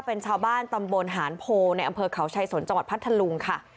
เป็นชาวบ้านตำบลหานโพในอำเภอเขาชายสนจังหวัดพัทธลุงค่ะ